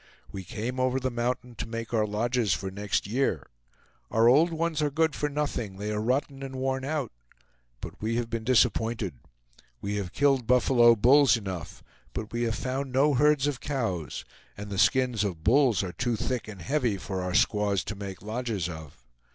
We came over the mountain to make our lodges for next year. Our old ones are good for nothing; they are rotten and worn out. But we have been disappointed. We have killed buffalo bulls enough, but we have found no herds of cows, and the skins of bulls are too thick and heavy for our squaws to make lodges of.